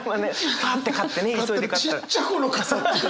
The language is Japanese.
パッて買ってね急いで買ったら。